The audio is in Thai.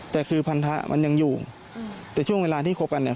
แต่คือพันธะมันยังอยู่แต่ช่วงเวลาที่คบกันเนี่ย